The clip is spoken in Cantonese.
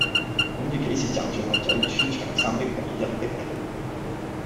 孔乙己是站着喝酒而穿長衫的唯一的人